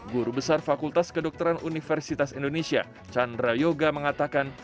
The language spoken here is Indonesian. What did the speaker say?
guru besar fakultas kedokteran universitas indonesia chandra yoga mengatakan